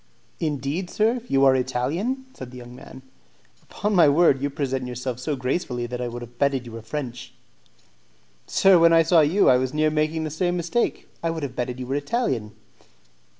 "Indeed, sir, you are Italian?" said the young man. "Upon my word, you present yourself so gracefully that I would have betted you were French." "Sir, when I saw you, I was near making the same mistake; I would have betted you were Italian."